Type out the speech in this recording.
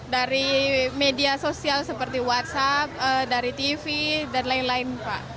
dari media sosial seperti whatsapp tv dan lain lain